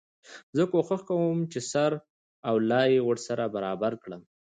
زه کوښښ کوم چي سر او لای يې ورسره برابر کړم.